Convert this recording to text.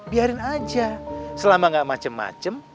biarin aja selama gak macem macem